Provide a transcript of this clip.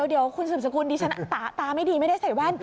เดี๋ยวคุณสืบสกุลดิฉันตาไม่ดีไม่ได้ใส่แว่น